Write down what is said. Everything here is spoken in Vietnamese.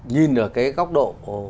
nhìn ở cái góc độ